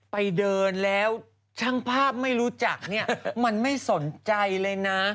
ไปเดินแล้วช่างภาพไม่รู้จักเนี่ยมันไม่สนใจเลยนะ